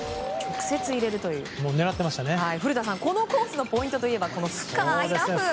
古田さん、このコースのポイントは深いラフ。